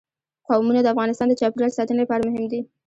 قومونه د افغانستان د چاپیریال ساتنې لپاره مهم دي.